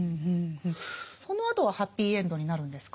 そのあとはハッピーエンドになるんですか？